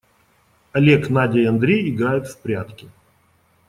Олег, Надя и Андрей играют в прятки.